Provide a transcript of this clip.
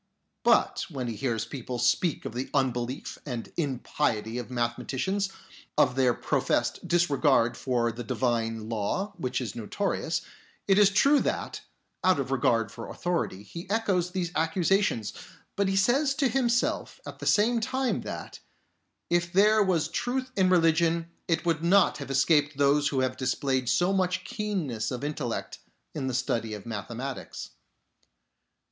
But when he hears people speak of the unbelief and impiety of mathematicians, of their professed disregard for the Divine Law, which is notorious, it is true that, out of regard for authority, he echoes these accusations, but he says to himself at the same time that, if there was truth in religion, it would not have escaped those who have displayed so much keenness of intellect in the study of mathematics.